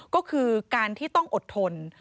ก็คือการที่ต้องอดทน